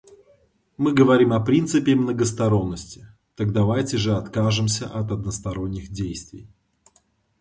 Мы говорим о принципе многосторонности; так давайте же откажемся от односторонних действий.